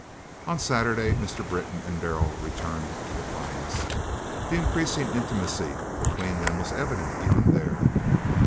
On Saturday Mr. Britton and Darrell returned to The Pines. The increasing intimacy between them was evident even there.